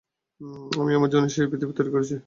আমিই আমার জন্য সেই পৃথিবী তৈরি করেছি।